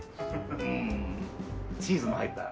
うーんチーズの入った。